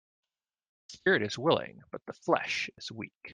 The spirit is willing but the flesh is weak.